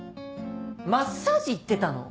マッサージ行ってたの？